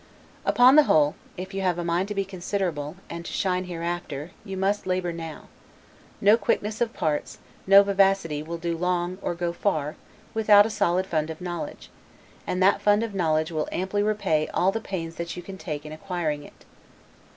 Upon the whole, if you have a mind to be considerable, and to shine hereafter, you must labor hard now. No quickness of parts, no vivacity, will do long, or go far, without a solid fund of knowledge; and that fund of knowledge will amply repay all the pains that you can take in acquiring it.